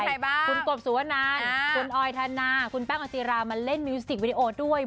ใครบ้างคุณกบสุวนันคุณออยธนาคุณแป้งอติรามาเล่นมิวสิกวิดีโอด้วย